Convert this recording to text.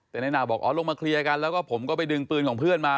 แต่นายนาบอกอ๋อลงมาเคลียร์กันแล้วก็ผมก็ไปดึงปืนของเพื่อนมา